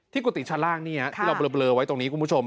กุฏิชั้นล่างนี่ที่เราเบลอไว้ตรงนี้คุณผู้ชม